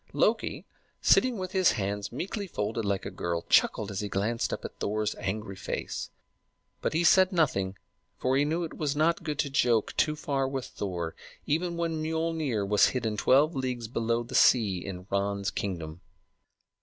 Loki, sitting with his hands meekly folded like a girl, chuckled as he glanced up at Thor's angry face; but he said nothing, for he knew it was not good to joke too far with Thor, even when Miölnir was hidden twelve leagues below the sea in Ran's kingdom.